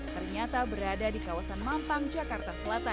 ternyata berada di kawasan mampang jakarta selatan